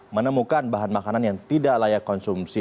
menemukan bahan makanan yang tidak layak konsumsi